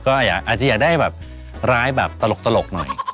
ก็อาจจะอยากได้แบบร้ายแบบตลกหน่อย